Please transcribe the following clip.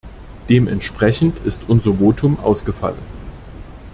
Dementsprechend ist unser Votum ausgefallen.